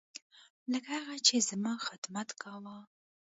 لکه هغه چې زما خدمت کاوه.